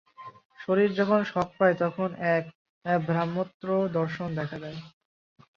শরীর যখন শক পায়, তখন এক ভ্রমাত্মক দর্শন দেখা দেয়।